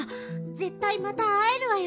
ぜったいまたあえるわよ。